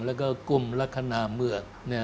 แล้วก็กุ้มลักษณะเมือง